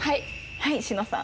はい詩乃さん。